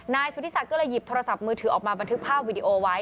นายสุธิศักดิ์ก็เลยหยิบโทรศัพท์มือถือออกมาบันทึกภาพวิดีโอไว้